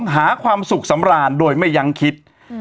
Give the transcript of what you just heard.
หาความสุขสำราญโดยไม่ยังคิด